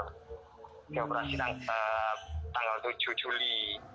keoperasi tanggal tujuh juli